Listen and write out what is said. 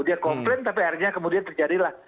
dia komplain tapi akhirnya kemudian terjadilah